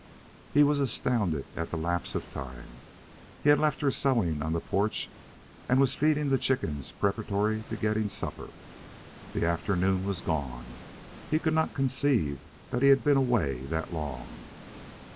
He was astounded at the lapse of time. She had left her sewing on the porch and was feeding the chickens preparatory to getting supper. The afternoon was gone. He could not conceive that he had been away that long.